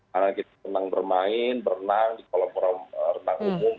karena kita senang bermain berenang di kolom renang umum